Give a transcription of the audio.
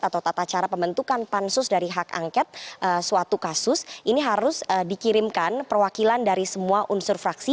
atau tata cara pembentukan pansus dari hak angket suatu kasus ini harus dikirimkan perwakilan dari semua unsur fraksi